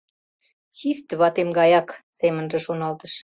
— Чисте ватем гаяк, — семынже шоналтыш.